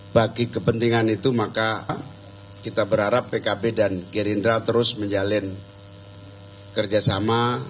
bagi kepentingan itu maka kita berharap pkb dan gerindra terus menjalin kerjasama